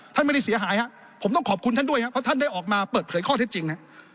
ท่านไม่ได้เสียหายครับผมต้องขอบคุณท่านด้วยครับเพราะท่านได้ออกมาเปิดเผยข้อเท็จจริง